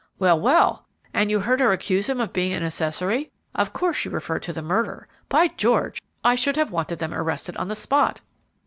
"Well, well! And you heard her accuse him of being an accessory? Of course she referred to the murder. By George! I should have wanted them arrested on the spot!"